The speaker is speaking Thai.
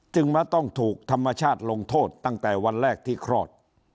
มาต้องถูกธรรมชาติลงโทษตั้งแต่วันแรกที่คลอด